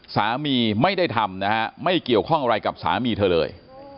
สามีไม่ได้ทำนะฮะไม่เกี่ยวข้องอะไรกับสามีเธอเลย